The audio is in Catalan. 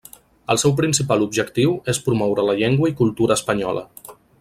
El seu principal objectiu és promoure la llengua i cultura espanyola.